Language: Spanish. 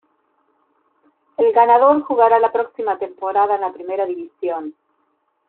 El ganador jugará la próxima temporada en la Primera División.